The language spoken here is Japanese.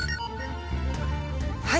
はい。